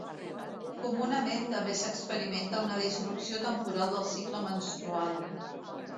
Comunament també s'experimenta una disrupció temporal del cicle menstrual.